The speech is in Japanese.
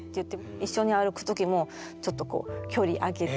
一緒に歩く時もちょっとこう距離空けて。